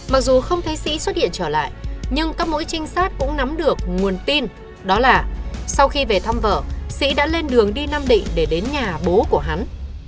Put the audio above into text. mặc dù không thấy sĩ xuất hiện trở lại nhưng các mũi trinh sát cũng nắm được nguồn tin đó là sau khi về thăm vợ sĩ đã lên đường đi nam định để đến nhà bố của hắn